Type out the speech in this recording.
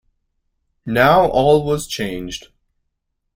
Now all was changed.